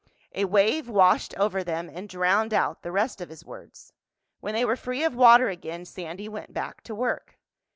A wave washed over them and drowned out the rest of his words. When they were free of water again Sandy went back to work.